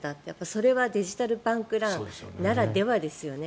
それはデジタル・バンクランならではですよね。